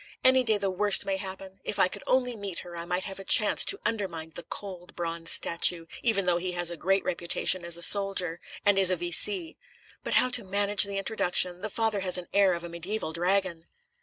Any day the worst may happen. If I could only meet her, I might have a chance to undermine the cold, bronze statue, even though he has a great reputation as a soldier, and is a V.C. But how to manage an introduction? The father has the air of a mediaeval dragon."